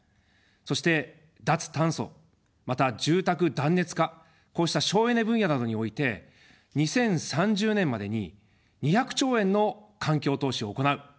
そして脱炭素、また住宅断熱化、こうした省エネ分野などにおいて２０３０年までに２００兆円の環境投資を行う。